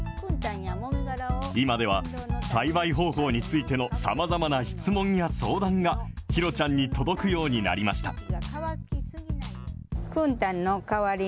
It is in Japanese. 今では栽培方法についてのさまざまな質問や相談が、ひろちゃんに届くようになりました。